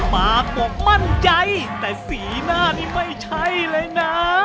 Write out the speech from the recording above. ปากบอกมั่นใจแต่สีหน้านี่ไม่ใช่เลยนะ